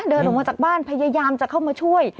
เดินออกมาจากบ้านพยายามจะเข้ามาช่วย